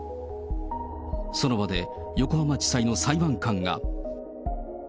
その場で横浜地裁の裁判官が。